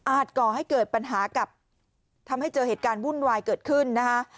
ก่อให้เกิดปัญหากับทำให้เจอเหตุการณ์วุ่นวายเกิดขึ้นนะคะ